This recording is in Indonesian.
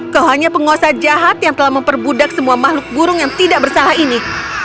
kau hanya penguasa jahat yang telah memperbudak semua makhluk burung yang tidak bersalah ini